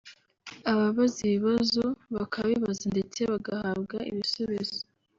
ababaza ibibazo bakabibaza ndetse bagahabwa ibisubizo